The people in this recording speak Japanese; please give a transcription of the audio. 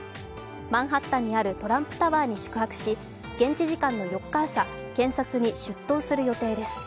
マンハッタンにあるトランプタワーに宿泊し現地時間の４日朝、検察に出頭する予定です。